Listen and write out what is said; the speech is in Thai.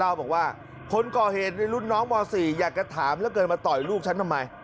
บอกว่าคนก่อเหตุในรุ่นน้องม๔อยากจะถามเหลือเกินมาต่อยลูกฉันทำไม